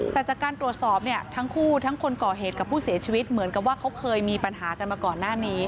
แต่จากการตรวจสอบเนี่ยทั้งคู่ทั้งคนก่อเหตุกับผู้เสียชีวิตเหมือนกับว่าเขาเคยมีปัญหากันมาก่อนหน้านี้